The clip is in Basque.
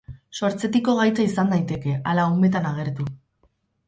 Sortzetiko gaitza izan daiteke ala umetan agertu.